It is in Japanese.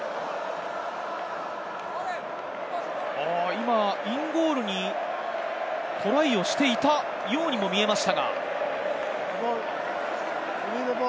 今、インゴールにトライをしていたようにも見えました。